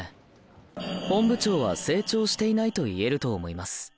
本部長は成長していないと言えると思います。